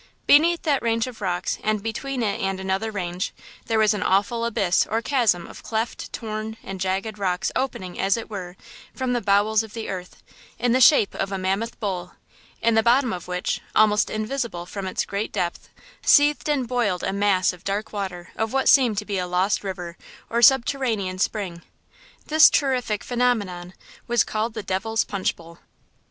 Beneath that range of rocks, and between it and another range, there was an awful abyss or chasm of cleft, torn and jagged rocks opening, as it were, from the bowels of the earth, in the shape of a mammoth bowl, in the bottom of which, almost invisible from its great depth, seethed and boiled a mass of dark water of what seemed to be a lost river or a subterranean spring. This terrific phenomenon was called the Devil's Punch Bowl.